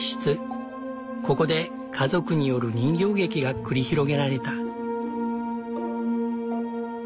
ここで家族による人形劇が繰り広げられた。